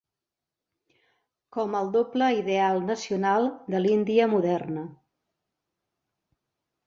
Com el doble ideal nacional de l'Índia moderna.